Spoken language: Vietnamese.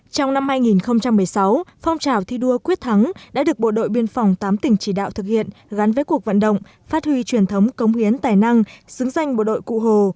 trong năm hai nghìn một mươi sáu phong trào thi đua quyết thắng đã được bộ đội biên phòng tám tỉnh chỉ đạo thực hiện gắn với cuộc vận động phát huy truyền thống công huyến tài năng xứng danh bộ đội cụ hồ